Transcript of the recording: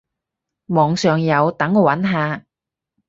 網上有，等我揾下